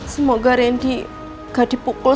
semoga randy gak dipukul